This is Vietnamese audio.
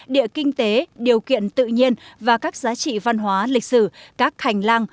địa kinh tế điều kiện tự nhiên và các giá trị văn hóa lịch sử các hành lang